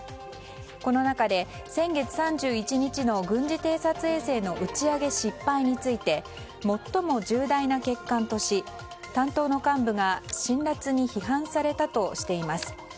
この中で先月３１日の軍事偵察衛星の打ち上げ失敗について最も重大な欠陥とし担当の幹部が辛らつに批判されたとしています。